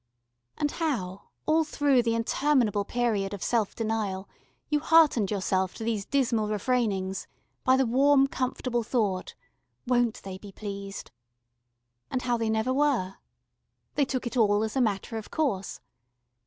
And how, all through the interminable period of self denial, you heartened yourself to these dismal refrainings by the warm comfortable thought, "Won't they be pleased?" and how they never were. They took it all as a matter of course.